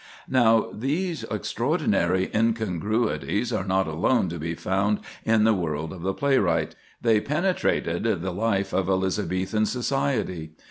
Now, these extraordinary incongruities are not alone to be found in the world of the playwright; they penetrated the life of Elizabethan society.